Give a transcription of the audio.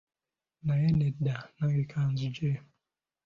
Naye nedda, nange kanzigye.